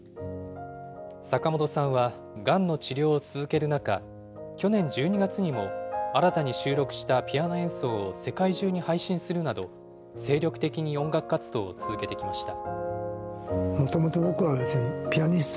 坂本さんはがんの治療を続ける中、去年１２月にも、新たに収録したピアノ演奏を世界中に配信するなど、精力的に音楽活動を続けてきました。